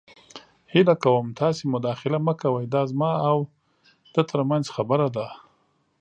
هیله کوم تاسې مداخله مه کوئ. دا زما او ده تر منځ خبره ده.